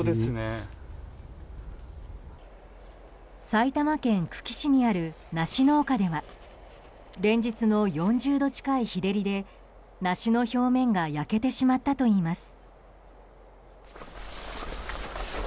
埼玉県久喜市にあるナシ農家では連日の４０度近い日照りでナシの表面が焼けてしまったといいます。